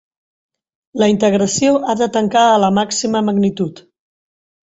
La integració ha de tancar a la màxima magnitud.